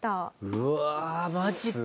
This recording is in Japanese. うわマジか！